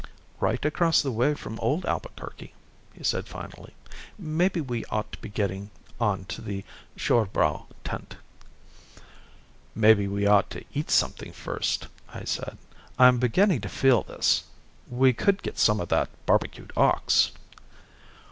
"Right across the way from old Albuquerque," he said finally. "Maybe we ought to be getting on to the Pschorrbräu tent." "Maybe we ought to eat something first," I said. "I'm beginning to feel this. We could get some of that barbecued ox."